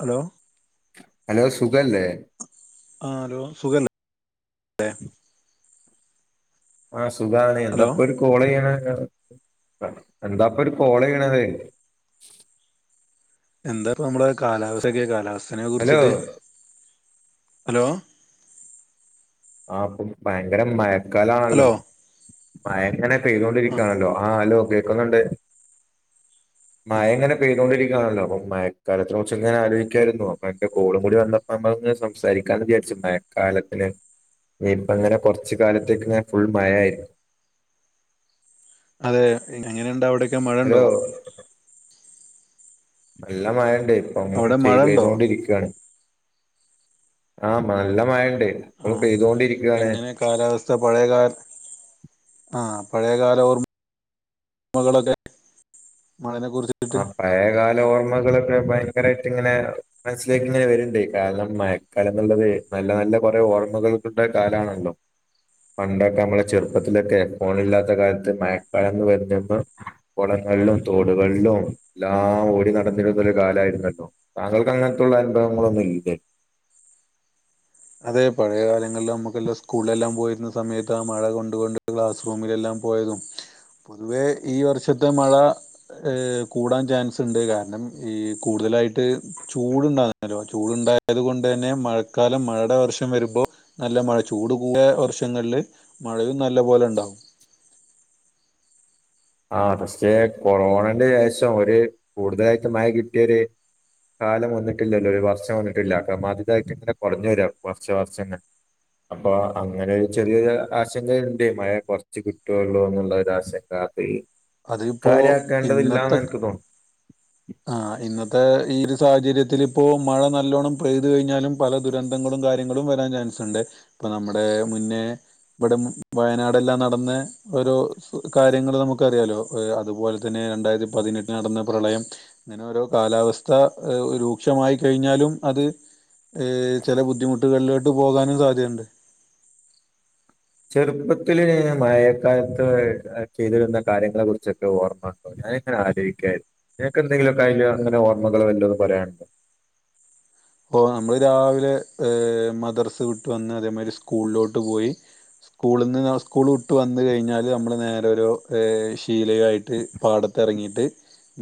hello hello സുഖല്ലേ ആഹ് hello സുഖല്ലേ ആ സുഖാണ് ഹലോ എന്താപ്പൊ ഒരു കോള് ചെയ്യണ എന്താപ്പൊ ഒരു കോള് ചെയ്യണത് എന്താ ഇപ്പ നമ്മടെ കാലാവസ്ഥക്കെ കാലാവസ്ഥനെ ഹലോ കുറിച്ചിട്ട് ഹലോ ആ ഇപ്പൊ ഭയങ്കര മഴക്കാലാണല്ലോ ഹലോ മഴ ഇങ്ങനെ ആ പെയ്തൊണ്ടിരിക്കാണല്ലോ ആ ഹലോ കേൾക്കുന്നുണ്ട് ആ മയ ഉങ്ങനെ പെയ്തൊണ്ടിരിക്ക ണല്ലോ അപ്പ മയക്കാലത്തെ കുറിച്ചിങ്ങനെ ആലോചിക്കായിരുന്നു അപ്പൊ അന്റെ കോളും കൂടി വന്നപ്പോ നമ്മക്കിങ്ങനെ സംസാരിക്കാന്ന് വിചാരിച്ചു മയക്കാലത്തിന് വരുബം ഇങ്ങനെ കുറച്ച് കാലത്തേക്ക് ഫുൾ മഴയായി അതെ എങ്ങനുണ്ടവിടെ ഹലോ നല്ല മയ ഇണ്ട് ഇപ്പോ അങ്ങനെ അവിടെ ചെയ മഴ ഉണ്ടോ പെയ്തൊണ്ടിരിക്കാണ് ആ നല്ല മഴ ഉണ്ട് ആ ഇപ്പോഴും പെയ്തോണ്ടിരിക്കുകയാണ് എങ്ങനെ കാലാവസ്ഥ പഴയ കാ ആഹ് പഴയകാല ഓര്മമ്മകളോക്കെ ആ പഴയകാല ഓർമ്മകൾ ഭയങ്കരായിട്ട് ഇങ്ങനെ മനസ്സിലേക്ക് ഇങ്ങനെ വരണ്ട് കാരണം മഴക്കാലം എന്നുള്ളത് നല്ല നല്ല കുറെ ഓർ ഓർമകൾടെ കാലാണല്ലോ പണ്ടോക്കെ നമ്മളെ ചെറുപ്പത്തിലോക്കെ ഫോണില്ലാത്ത കാലത്ത് മഴക്കാലം വരും വരുമ്പോ കൊള വെള്ളം തോട് വെള്ളം എല്ലാ ഓടി നടന്നിരുന്നൊരു കാലായിരുന്നല്ലോ താങ്കൾക്ക് അങ്ങനത്തുള്ള അനുഭവങ്ങളൊന്നുല്ലെ അതെ പഴയ കാലങ്ങല്ലാം നമ്മക്കെല്ലാ സ്കൂളിലെല്ലാം പോയിരുന്ന സമയത്ത് ആ മഴ കൊണ്ട് കൊണ്ട് ക്ലാസ് റൂമിലെല്ലാം പോയതും പോതുവേ ഈ വർഷത്തെ മഴ ഏ കൂടാൻ ചാൻസുണ്ട് കാരണം ഈ കൂ കൂടുതലായിട്ട് ചൂടുണ്ടാവുന്നേരം ചൂടുണ്ടായത് കൊണ്ട് തന്നെ മഴക്കാലം മഴ ത്ത വർഷം വരുമ്പോൾ നല്ല മഴ ചൂട് കൂടിയ വർഷങ്ങള്ല് മഴയും നല്ല പോലെ ഉണ്ടാവും ആ പക്ഷേ കൊറോണന്റെ ശേഷം ഒരു കൂടുതലായിട്ട് മഴ കിട്ടിയൊര് കാലം വന്നിട്ടില്ലല്ലോ ഒരു വർഷം വന്നിട്ടില്ല കമ്മാതിതായാട്ട് ഇങ്ങനെ കൊറഞ്ഞുവരാ വർഷ വർഷം ഇങ്ങനെ അപ്പോ അങ്ങനൊരു ചെറിയോരു ആശങ്കയുണ്ട് മഴ കൊറച്ച് കിട്ടോള്ളൂ എന്നുള്ള ആശങ്ക അത് അതിപ്പോ കാര്യാക്കേണ്ടതില്ലാന്ന് ഇന്നത്തെ എനിക്ക് തോന്നുന്നു ആ ഇന്നത്തെ ഈ ഒരു സാഹചര്യത്തില് ഇപ്പോ മഴ നല്ലോണ്ണം പെയ്ത് കഴിഞ്ഞാലും പല ദുരന്തങ്ങളും കാര്യങ്ങളും വരാൻ ചാൻസ് ഉണ്ട് പ്പോ നമ്മുടെ മുന്നേ ഇവിടെ വയനാട്ല്ലാം നടന്ന് ഓരോ കാര്യങ്ങള് നമുക്കറിയാലോ അതുപോലെ തന്നെ രണ്ടായിരത്തി പതിനെട്ടി നടന്ന പ്രളയം ഇങ്ങനെ ഓരോ കാലാവസ്ഥ രൂക്ഷമായി കഴിഞ്ഞാലും അത് ഏ ചെല ബുദ്ധിമുട്ടുകള്ലോട്ട് പോകാനും സാധ്യതണ്ട് ചെറുപ്പത്തില് മഴക്കാലത്ത് അഹ് ചെയ്തിരുന്ന കാര്യങ്ങളെ കുറിച്ചൊക്കെ ഓർമ്മണ്ടോ അഹ് അങ്ങനെ ആലോചിക്കായ്രുന്നു നിനക്ക് എന്തെങ്കിലും ഒക്കെ അയലങ്ങനെ ഓർമ്മകൾ വല്ലോന്ന് പറയാൻണ്ടോ ഓ നമ്മള് രാവിലെ ഏ മദർസ് വിട്ട് വന്ന് അതെമാരി സ്കൂൾലോട്ട് പോയി സ്കൂള്ന്ന് സ്കൂൾ വിട്ട് വന്ന് കഴിഞ്ഞാല് നമ്മൾ നേരെ ഒരു ഈഹ് ചീലയും ആയിട്ട് പാടത്തിറങ്ങിയി ട്ട്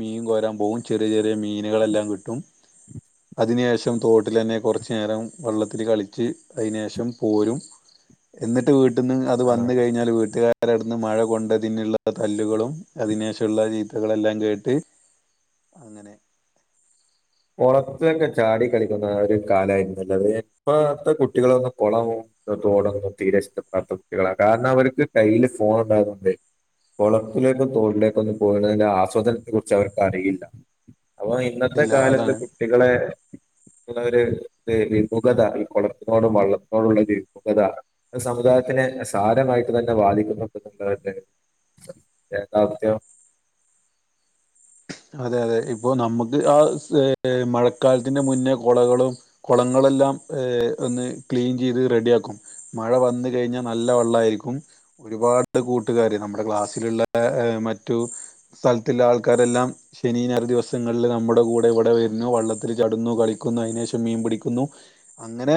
മീൻ കോരാൻ പോകും ചെറിയ ചെറിയ മീനുകളെല്ലാം കിട്ടും അതിനുശേഷം പ്പം തോട്ടിലന്നെ കുറച്ച് നേരം വള്ളത്തിൽ കളിച്ച് അയിനെശം പോരും എന്നിട്ട് വീട്ട്ന്ന് അത് ആ വന്ന് കഴിഞ്ഞാല് വീട്ടുകാ രടുന്ന് മഴകൊണ്ടതിനുള്ള തല്ലുകളും അതിനെഷമുള്ള ചീത്തകളെല്ലാം കേട്ട് അങ്ങനെ കുളത്തിലോക്കെ ചാടി കളിക്കുന്ന ആ ഒരു കാലായിരുന്നു ന്നല്ലത് ഇപ്പത്തെ കുട്ടികളോന്നും കുളവോ പ്പോ തോടൊന്നും തീരെ ഇഷ്ടപ്പെടാത്ത കുട്ടികളാ കാരണം അവർക്ക് കയ്യില് ഫോൺ ഉണ്ടായതുകൊണ്ട് കോളത്തിലേക്കും തോട്ട്ലേക്കൊന്നും പോണേന്റാ ആസ്വാദനത്തെ കുറിച്ച് അവർക്ക് അറിയില്ല അപ്പോ ഇന്നത്തെ ഇല്ല കാലത്ത് അതാണ് കുട്ടികളെ അത ഒര് വിമുഖത ഈ കുളത്തിനോടും വള്ളത്തിനോടുള്ള ഒരു വിമുഖത അത് സമുദാ ദായത്തിനെ സാരമായിട്ട് തന്നെ വാദിക്കുന്നുണ്ട് [unintelligible] കേകവാത്ത്യഓ അതെ അതെ ഇപ്പോ നമ്മുക്ക് ആ സ്‌ മഴക്കാലത്തിന്റെ മുന്നേ കുളകളും കുളങ്ങളെല്ലാം ഏ ഒന്ന് ക്ളീൻ ചെയ്ത് റെഡിയാക്കും മഴ വന്ന് കഴിഞ്ഞാൽ നല്ല വെള്ളയിരിക്കും ഒരുപാട് കൂട്ടുകാര് നമ്മുടെ ക്ലാസ്സിലുള്ള മറ്റു സ്ഥലത്തില്ലാ ആൾക്കാരെല്ലാം ശനി ഞായർ ദിവസങ്ങളിൽ നമ്മുടെ കൂടെ ഇവിടെ വരുന്നു വള്ളത്തിൽ ചടുന്നു കളിക്കുന്നു അതിനുശേഷം മീൻ പിടിക്കുന്നു അങ്ങനെ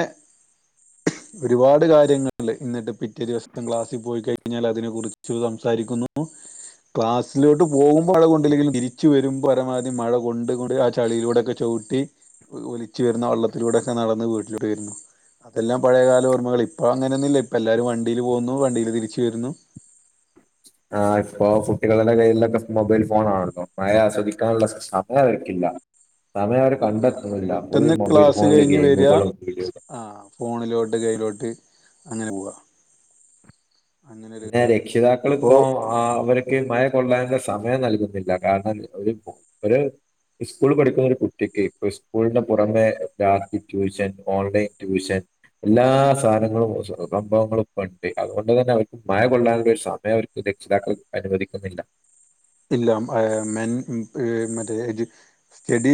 ഒരുപാട് കാര്യങ്ങളില് എന്നിട്ട് പിറ്റേ ദിവസം ക്ലാസിൽ പോയി കഴിഞ്ഞാൽ അതിനെക്കുറിച്ച് സംസാരിക്കുന്നു ക്ലാസ്സിലോട്ട് പോകുമ്പോ അതുകൊണ്ട് തിരിച്ചു വരുമ്പോൾ ഒരു മാതിരിമഴ കൊണ്ട് കൂടി ആ ചളിയിലൂടെക്കെ ചവിട്ടി ഒലിച്ച് വരുന്ന വള്ള ള്ളത്തിലൂടൊക്കെ നടന്ന് വീട്ടിലോട്ട് വരുന്നു അതെല്ലാം പഴയ കാല ഓർമ്മകൾ ഇപ്പം അങ്ങനെയൊന്നും ഇല്ല ഇപ്പം എല്ലാരും വണ്ടിയില് പോകുന്നു വണ്ടിയില് തിരിച്ചു വരുന്നു ആഹ് ഇപ്പൊ കുട്ടികളുടെ കയ്യിലൊക്കെ മൊബൈൽ ഫോൺ ആണല്ലോ മഴ ആസ്വദിക്കാനുള്ള സമയം അവർക്കില്ല സമയം അവര് ഇല്ല അവര് കണ്ടെത്തുന്നില്ല ഫുൾ പെട്ടെന്ന് മൊബൈൽ ഫോണില് ഗെയിമുകളും വീഡിയോ ആഹ് ഫോണിലോട്ട് കയ്യിലോട്ട് അങ്ങനെ പോവാ അങ്ങനൊരു പിന്നെ കാലാണ് രക്ഷിതാക്കള് ഇപ്പോ ആഹ് അവര്ക്ക് മ കൊള്ളാന്റെ സമയം നൽകുന്നില്ല കാരണം ഒരു ഒരു സ്കൂൾ പഠിക്കുന്ന ഒരു കുട്ടിക്ക് ഇപ്പ സ്കൂളിന്റെ പുറമെ രാവിലെ ട്യൂഷൻ ഓൺലൈൻ ട്യൂഷൻ എല്ലാ സാധനങ്ങളും സംഭവങ്ങളും ഇപ്പണ്ട് അതുകൊണ്ട് തന്നെ അവ മയ കൊള്ളാനുള്ള ഒരു സമയം അവർക്ക് രക്ഷിതാക്കൾ അനുവദിക്കുന്നില്ല ഇല്ല മെൻ മറ്റേ സ്റ്റഡി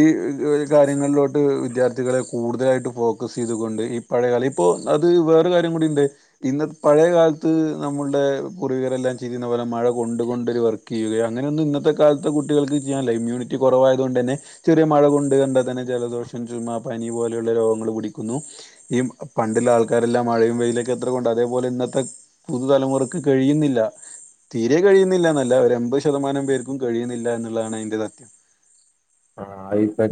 കാര്യങ്ങളിലോട്ട് വിദ്യാർത്ഥികളെ കൂടുതലായിട്ട് ഫോക്കസ് ചെയ്തൊണ്ട് ഈ പഴയ കാല ഇപ്പോ അത് വേറെ കാര്യം കൂടിയുണ്ട് ഇന്ന പഴയ കാലത്ത് നമ്മളുടെ പൂർവികരെല്ലാം ചെയിരിക്കുന്ന പോലെ മഴ കൊണ്ട് കൊണ്ടൊരു വർക്ക് ചെയ്യുകയ അങ്ങനെയെന്നും ഇന്നത്തെ കാലത്തെ കുട്ടികൾക്ക് ചെയ്യാനല്ല ഇമ്മ്യൂിറ്റി കുറവായതുകൊണ്ട് തന്നെ ചെറിയ മഴ കൊണ്ട് കൊണ്ടാ തന്നെ ജലദോഷം ചുമ പനി പോലെയുള്ള രോഗങ്ങൾ പിടിക്കുന്നു ഈ പണ്ടുള്ള ആൾക്കാരെല്ലാം മഴയും വെയിലൊക്കെ എത്ര കൊണ്ടതാ അതേപോലെ ഇന്നത്തെ പുതുതലമുറക്ക് കഴിയുന്നില്ല തീരെ കഴിയുന്നില്ലന്നല്ല ശതമാനം പേർക്കും കഴിയുന്നില്ല എന്നുള്ളതാണ് അതിന്റെ സത്യം ആ ഇപ്പൊ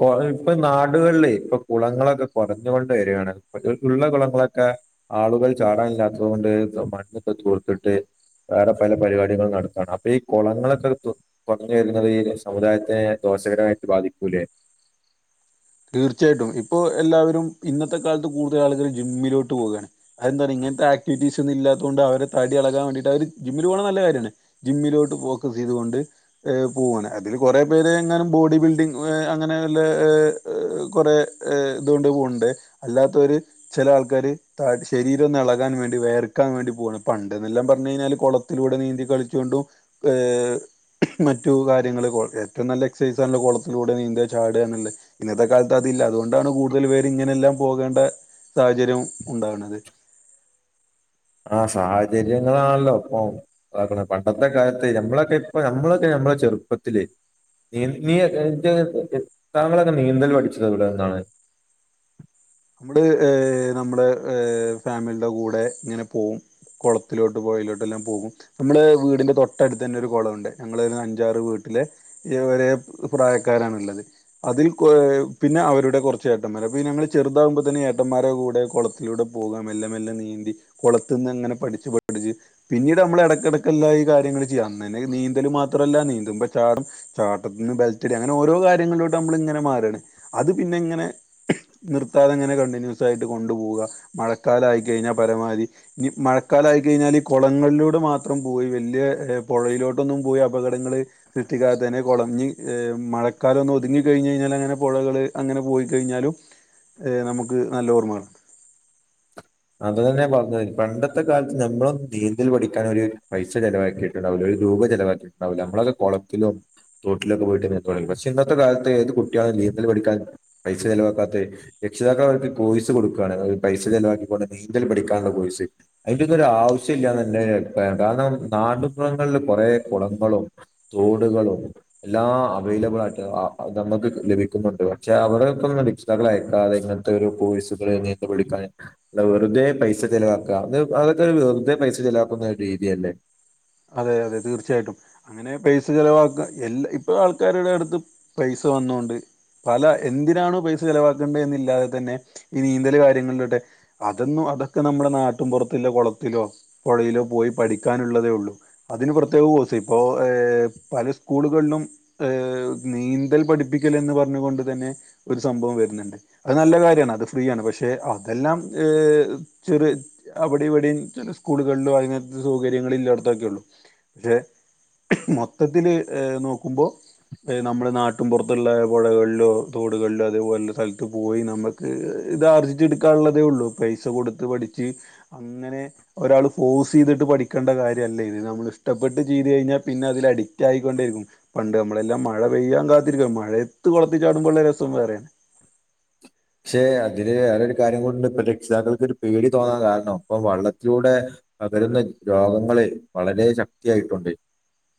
കുള ഇപ്പൊ നാടുകളില് ഇപ്പൊ കുളങ്ങളൊക്കെ കുറഞ്ഞുകൊണ്ട് വരു ഉള്ള കുുളങ്ങളൊക്കെ ആളുകൾ ചാടാനില്ലാത്തത് കൊണ്ട് ഇ മണ്ണൊക്കെ ചോർത്തിട്ട് വേറെ പല പരിപാടികൾ നടത്താണ് അപ്പൊ ഈ കുളങ്ങളൊക്കെ കുറഞ്ഞു വരുന്നത് ഈ സമുദായത്തി ദോഷകരമായിട്ട് ബാധിക്കൂലേ തീർച്ചയായിട്ടും ഇപ്പോ എല്ലാവരും ഇന്നത്തെ കാലത്ത് കൂടുതൽ ആളുകൾ ജിമ്മിലോട്ട് പോവുകയാണ് അന്താ അങ്ങനത്തെ ആക്ടിവിറ്റീസ് ഒന്നും ഇല്ലാത്ത കൊണ്ട് അവരെ തടി അളക്കാൻ ജിമ്മിൽ പോകണ നല്ല കാര്യമാണ് ജിമ്മിലോട്ട് പോക്ക് ണ്ട് പോകുവാണ് കൊറെ പേര് എങ്ങാനും ബോഡി ബിൽഡിംഗ് അങ്ങനെ കുറെേ ഇതുകൊണ്ട് പോണ്ട് അല്ലാത്തവര് ചില ആൾക്കാര് ശരീരം ളകാൻ വേണ്ടി വേർക്കാൻ വേണ്ടി പോകാണ് പണ്ടെന്നെല്ലാം പറഞ്ഞ കഴിഞ്ഞാൽ കുളത്തിലൂടെ നീന്തി കളിച്ചുകൊണ്ടും മറ്റു കാര്യങ്ങള് ഏറ്റവും നല്ല എക്സസൈസ് ആണല്ലോ കുളത്തിലൂടെ നീന്തുക ചാടുക എന്നുള്ളത് ഇന്നത്തെ കാലത്ത് അതില്ല അതുകൊണ്ടാണ് കൂടുതൽ പേര് ഇങ്ങനെല്ലാം പോകേണ്ട സാഹചര്യം ഉണ്ടാവുന്നത് [inaudible] ആ സാഹചര്യങ്ങളാണല്ലോ ഇപ്പം പണ്ടത്തെ കാലത്ത് നമ്മളൊക്കെ ഇപ്പ നമ്മളൊക്കെ നമ്മ ചെറുപ്പത്തിലെ നീ താങ്കളൊക്കെ നീന്തൽ പഠിച്ചത് ഇവിടെ എന്താണ് [inaudible] നമ്മുടെ നമ്മുടെ ഫാമിലിയുടെ കൂടെ ഇങ്ങനെ പോകവും കുളത്തിലോട്ട് പോയി എല്ലാം പോകും നമ്മള് വീട്ടിന്റെ തൊട്ടടുത്ത് തന്നെ ഒരു കുളമുണ്ട് ഞങ്ങൾ അഞ്ചാറ് വീട്ടിലെ ഏ പ്രായക്കാരാണ് ഉള്ളത് അതിൽ പിന്നെ അവരുടെ കുറച്ച് ചേട്ടന്മാര് പിന്നെ ഞങ്ങ ചെറുതാകുമ്പോ തന്നെ ഏട്ടന്മാരുടെ കൂടെ കുളത്തിലൂടെ പോകാം മെല്ലെ മെല്ലെ നീന്തി കുളത്തി നിന്ന് അങ്ങനെ പഠിച്ചു പിന്നീട് നമ്മൾ ഇടക്കിടക്കെല്ല ഈ കാര്യങ്ങൾ ചെയ്യാം അന്നെ നീന്തല് മാത്രല്ല നീന്തുമ്പം ചാടാം ചാട്ടത്തിന്ന് ബെൽറ്റ് അങ്ങനെ ഓരോ കാര്യങ്ങളിലോട്ട് നമ്മൾ ഇങ്ങനെ മാറുകയാണ് അത് പിന്നെ ഇങ്ങനെ നിർത്താതെ ഇങ്ങനെ കണ്ടിന്യൂസ് ആയിട്ട് കൊണ്ടു പോവുക മഴക്കാലായിക്കഴിഞ്ഞാൽ പരമാവധി മഴക്കാലായി കഴിഞ്ഞാൽ കുളങ്ങളിലോട് മാത്രം പോയി വലിയ പുഴയിലോട്ടൊന്നും പോയി അപകടങ്ങൾ സൃഷ്ടിക്കാ തന്നെ കുളഞ്ഞ് മഴക്കാലം ഒന്ന് ഒതുങ്ങി കഴിഞ്ഞാൽ അങ്ങനെ പുഴകള് അങ്ങനെ പോയി കഴിഞ്ഞാലും നമുക്ക് നല്ല ഓർമ്മയ അത് തന്നെ പറഞ്ഞത് പണ്ടത്തെ കാലത്ത് നമ്മളും നീന്തൽ പഠിക്കാൻ ഒരു പൈസ ചെലവാക്കിയിട്ടുണ്ടാവല്ലോ രൂപ ചെലവാക്കിണ്ടാവൂല്ല നമ്മളത് കുളത്തിലോ തോട്ടിലൊക്കെ പോയിട്ട് ന തുടങ്ങി പക്ഷെ ഇന്നത്തെ കാലത്ത് ഏത് കുട്ടിയാണ് നീന്തൽ പഠിക്കാൻ പൈസ ചിലവാക്കാത്ത രക്ഷിതാക്ക അവർക്ക് കോയ്സ് കൊടുക്കയാണ് അവര് പൈസ ചിലവാക്കി പോണ്ട് നീന്തൽ പഠിക്കാനുള്ള പോസ് അതിന്റെ ഇതൊ ഒരു ആവശ്യമില്ലന്ന് എന്റെ അഭിപ്രായം കാരണം നാടുുഗങ്ങളിൽ കുറേ കുളങ്ങളും തോടുകളും എല്ലാം അവൈലബിൾ ആയിട്ട് നമുക്ക് ലഭിക്ക ുന്നുണ്ട് പക്ഷെ അവരെ ഇപ്പൊ രക്ഷിതാക്കൾ അയക്കാതെ ഇങ്ങനത്തെ ഒരു പോ വിളിക്കാൻ അ വെറുതെ പൈസ ചെിലവാക്കുക അ അതൊക്കെ വെറുതെ പൈസ ചിലവാക്കുന്ന രീതിയല്ലേ അതെ അതെ തീർച്ചയായിട്ടും അങ്ങനെ പൈസ ചിലവാക്ക എല്ലാ ഇപ്പൊ ആൾക്കാരുടെ അടുത്ത് പൈസ തോന്നണ്ട് പല എന്തിനാണോ പൈസ ചെിലവാക്കേണ്ടത് എന്നില്ലാതെ തന്നെ ഈ നീന്തൽ കാര്യങ്ങളിലൊട്ടെ അതൊന്നും അതൊക്കെ നമ്മുടെ നാട്ടിൻ പുുറത്തി കുളത്തിലോ പുഴയിലോ പോയി പഠിക്കാനുള്ളതേ ഉള്ളൂ അതിന് പ്രത്യേക കോസം ഇപ്പോ പല സ്കൂളുകളിലും നീന്തൽ പടി ിക്കന്ന് പറഞ്ഞുകൊണ്ട് തന്നെ ഒരു സംഭവം വരുന്നുണ്ട് അത് നല്ല കാര്യമാണ് അത് ഫ്രീ ആണ് പക്ഷെ അതെല്ലാം ചെറ അവിടെ ഇവിടെയും ചില സ്കൂളുകളിലും അതിനത്തെ സൗകര്യങ്ങള ഇല്ലായിടത്തൊക്കെ ഉള്ളൂ പക്ഷെ മൊത്തത്തില് ഏ നോക്കുമ്പോ നമ്മുടെ നാട്ടും പുറത്തുള്ള പുഴകളിലോ തോടുകളിലോ അതേപോലെ സ്ഥലത്ത് പോയി നമുക്ക് ഇത്ാർജിച്ച എടുക്കാനുള്ളതേ ഉള്ളൂ പൈസ കൊടുത്ത് പഠിച്ച് അങ്ങനെ ഒരാൾ ഫോഴ്സ് ചെയ്തിട്ട് പഠിക്കേണ്ട കാര്യമല്ലേ ഇത് നമ്മള ഇഷ്ടപ്പെട്ട് ചെയ്ത് കഴിഞ്ഞാൽ പിന്നെ അതിൽ അഡിക് ആയിൊണ്ടിരിക്കും പണ്ട് നമ്മളെല്ലാം മഴ പെയ്യാൻ കാത്തിരിക്ക മഴ എത്ത് കൊളത്തി ചാടുമ്പോ ഉള്ള രസം വേറൊണ് പക്ഷെ അതില് ഒരു കാര്യം കൊണ്ട് ഇ രക്ഷിതാക്കൾക്ക് ഒരു പേടി തോന്നാൻ കാരണം അപ്പ വെള്ളത്തിലൂടെ ന്ന രോഗങ്ങള് വളരെ ശക്തിയായിട്ടുണ്ട്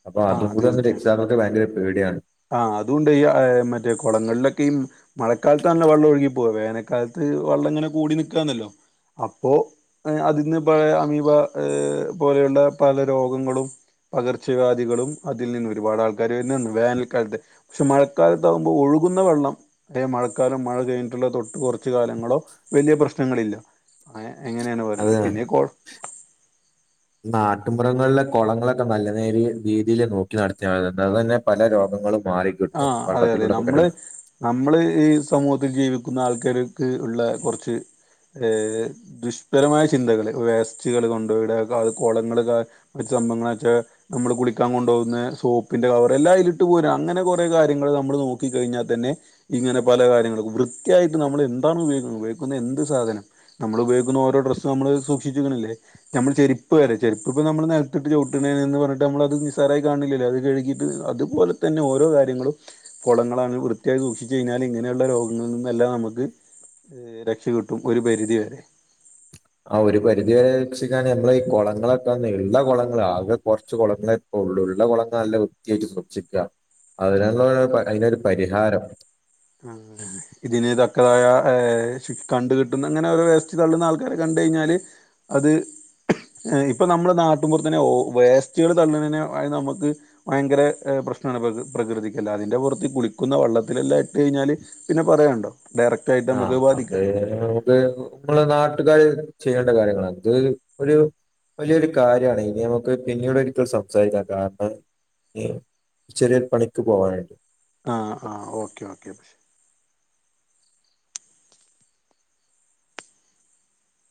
അപ്പൊ ആ അതും കൂടെ ഒന്നരു തീർച്ചയായും എക്സാമൊക്കെ ഭയങ്കര പേടിയാണ് ആഹ് അതുകൊണ്ട് ഈ മറ്റേ കുളങ്ങളിലൊക്കെ ഈ മഴക്കാലത്ത്ന്നെ വെള്ളം ഒഴുകി പോവ വേനക്ക കാലത്ത് വെള്ളം ഇങ്ങനെ കൂടി നൽിക്കാന്നല്ലോ അപ്പോൊ അതിന്ന് പഴയ അമീബ ഏ പോലെയുള്ള പല രോഗങ്ങളും പകർച്ചവ്യാധികളും അതിൽ നിന്ന് ഒരുപാട് ആൾക്കാർ വൻ മഴ കാലത്ത് പക്ഷെ മഴക്കാലത്താകുമ്പോൾ ഒഴുകുന്ന വള്ളം അത മഴക്കാലം മഴിഞ്ഞിട്ടുള്ള തൊട്ട് കുറച്ച് കാലം ങ്ങളോ വലിയ പ്രശ്നങ്ങളില്ല ആ എങ്ങനെയാണ് അത് പറയുന്നത് പിന്നെ കോൾ കട്ടുമമൃറങ്ങളിലെ കുളങ്ങളൊക്കെ നല്ല നേരി രീതിയിൽ നോക്കി നടത്തിയാണ്ട് അതു തന്നെ പല രോഗങ്ങളും ആ മാറിക്കിട്ടും അതെ അതെ വള്ളത്തിലൂടെ നമ്മള് പകരുന്നു നമ്മള് ഈ സമൂഹത്തിൽ ജീവിക്കുന്ന ആൾക്കാർക്ക് ഉള്ള കുറച്ച് ദുഷ്പരമായ ചിന്തകള് വേസ്റ്റുകൾ കൊണ്ടുപയിട അ കോളങ്ങൾ നമ്മള് കുളിക്കാൻ കൊണ്ട പോകുന്ന സോപ്പിന്റെ കവർല്ലാം ഇട്ട് പോ അങ്ങനെ കു കാര്യങ്ങൾ നമ്മൾ നോക്കി കഴിഞ്ഞാൽ തന്നെങ്ങനെ പല കാര്യങ്ങളും വൃത്തിയായിട്ട് നമ്മൾ എന്താണ് ഉപയോഗുന്നത്പയുന്നത് എന്ത് സാധനം നമ്മൾ ഉപയോഗിക്കുന്ന ഓരോ ഡ്രസ് നമ്മള് സൂക്ഷിച്ചിക്കണില്ലേ നമ്മൾ ചെരുപ്പ് വരെ ചെപ്പ് ഇ നമ്മ നട്ട ചട്ടണ എന്ന് പറഞ്ഞി് നമ്മത് നിസാരായി കാണില്ലല്ല അത് പോലെ തന്നെ ഒരോ കാര്യങ്ങളും ളങ്ങള വൃത്തിയായി സൂക്ഷിച്ചച്ച് കഴിഞ്ഞാൽ ഇങ്ങനെയുള്ള രോഗങ്ങളിൽ നിന്നെല്ലാം നമു ഏർ രക്ഷ കിട്ടും ഒരു പരിധി വരെ ആ ഒരു പരിധപക്ഷിക്കാണ് നമ്മളൾ ഈ കുളങ്ങളൊക്കെള്ള കുളങ്ങള ആകെ കുറച്ച് കുളങ്ങളെപ്പോ ഉള്ള കുളങ്ങ നല്ല വൃത്തിയായിട്ട് സൂക്ഷിക്കുക അതിനുള്ള അതിനൊരു പരിഹാരം ആ ഇതിന് തക്കതായ കണ്ട കിട്ടുന്ന അങ്ങനെ ഓരോ വേസ്റ്റ് തള്ളുന്ന ആൾക്കാരെ കണ്ട ണ്ട കഴിഞ്ഞാൽ അത് ഇപ്പൊ നമ്മള് നാട്ടൻപറത്തന്നെ വേസ്റ്റുകൾ തള്ളുന്നതിന നമുക്ക് ഭയങ്കര പ്രശ്നമാണ് പ്ര പ്രകൃതിക്കല്ല അതിൻ്റെ പുറത്ത് കുളിക്കുന്ന വള്ളത്തിലെല്ലാം ഇട്ട് കഴിഞ്ഞാൽ പിന്നെ പറയുണ്ടോ ആഹ അത് നമക്ക് നമ്മള് നാട്ട പട്ടുകാർ ചെയ്യേണ്ട കാര്യങ്ങളാണ് ഇത് ഒരു വലിയൊരു കാര്യമാണ് ഇനി നമുക്ക് പിന്നീട് ഒരിക്കൽ സംസാരിക്കാം കാരണം ചെറിയൊരു പണിക്ക് പോവാനായിട്ട് ആഹ ആഹ ഓക്കേ ഓക്കെ അപ്പൊശേ